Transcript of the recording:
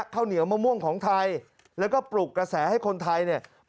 ข้าวเหนียวมะม่วงของไทยแล้วก็ปลุกกระแสให้คนไทยเนี่ย